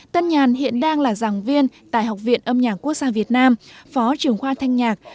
tân nhàn hiện đang là giảng viên tại học viện âm nhạc quốc gia việt nam phó trưởng khoa thanh nhạc